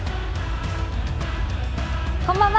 こんばんは。